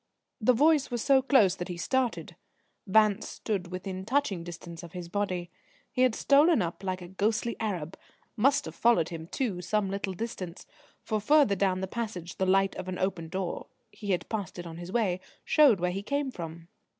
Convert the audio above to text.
The voice was so close that he started. Vance stood within touching distance of his body. He had stolen up like a ghostly Arab, must have followed him, too, some little distance, for further down the passage the light of an open door he had passed it on his way showed where he came from.